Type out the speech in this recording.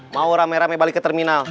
mau rame rame balik ke terminal